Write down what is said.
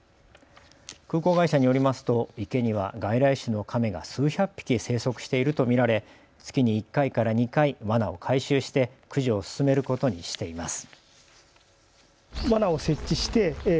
空港会社によりますと池には外来種のカメが数百匹生息していると見られ月に１回から２回、わなを回収して駆除を進めることにしています。